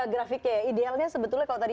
grafiknya idealnya sebetulnya kalau tadi